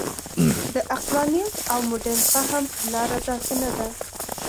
د عقلانیت او مډرن فهم لاره داسې نه ده.